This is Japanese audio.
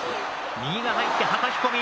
右が入ってはたき込み。